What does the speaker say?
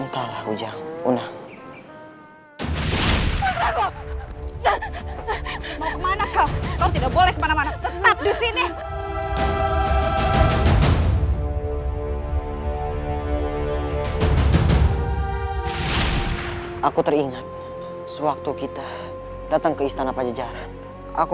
kalau begitu ayo kita lanjutkan perjalanan